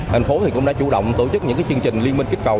thành phố cũng đã chủ động tổ chức những chương trình liên minh kích cầu